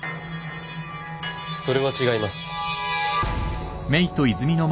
・それは違います。